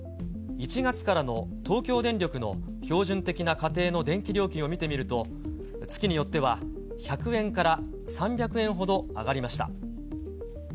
１月からの東京電力の標準的な家庭の電気料金を見てみると、月によっては１００円から３００円ほど上がりました。